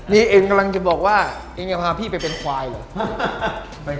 นี่เองกำลังจะบอกว่าเองจะพาพี่ไปเป็นควายเหรอ